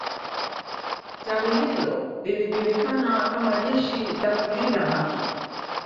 tawi hilo lilijulikana kama jeshi la kulinda haki